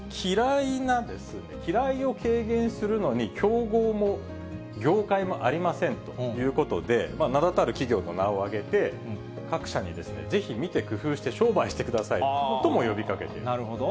嫌いを軽減するのに競合も業界もありませんということで、名だたる企業の名を挙げて、各社に、ぜひ見て、工夫して、商売してくださいとも呼びかけている。